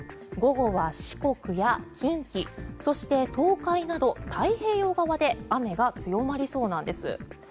午後は四国や近畿そして東海など太平洋側で雨が強まりそうなんです。